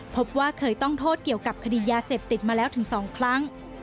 พบว่าเคยต้องโทษเกี่ยวกับคดียาเสพติดมาแล้วถึง๒ครั้ง